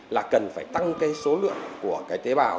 là cần phải tăng cái số lượng của cái tế bào